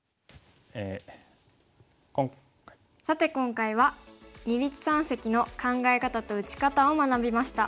さて今回は二立三析の考え方と打ち方を学びました。